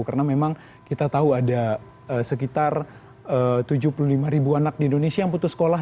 karena memang kita tahu ada sekitar tujuh puluh lima ribu anak di indonesia yang putus sekolah